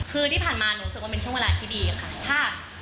คือที่ผ่านมาหนูรู้สึกว่าเป็นช่วงเวลาที่ดีค่ะ